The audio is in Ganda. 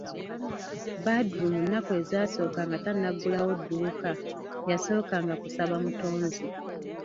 Badru mu nnaku ezasooka nga tannaggulawo dduuka, yasookanga kusaba mutonzi.